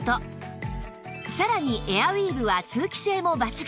さらにエアウィーヴは通気性も抜群